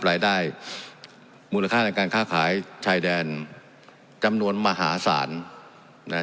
รายได้มูลค่าในการค้าขายชายแดนจำนวนมหาศาลนะ